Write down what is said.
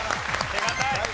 手堅い。